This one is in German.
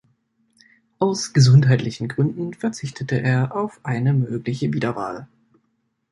Aus gesundheitlichen Gründen verzichtete er auf eine mögliche Wiederwahl.